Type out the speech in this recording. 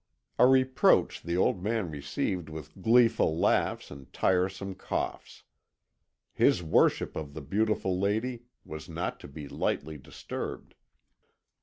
A reproach the old man received with gleeful laughs and tiresome coughs. His worship of the beautiful lady was not to be lightly disturbed.